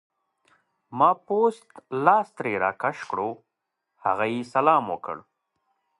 ما پوست لاس ترې راکش کړو، هغه یې سلام وکړ.